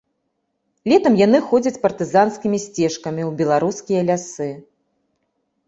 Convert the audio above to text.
Летам яны ходзяць партызанскімі сцежкамі ў беларускія лясы.